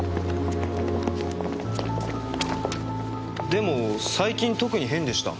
でも最近特に変でした。